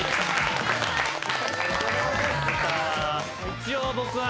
一応僕は。